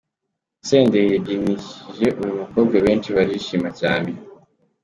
Senderi yabyinishije uyu mukobwa benshi barishima cyane.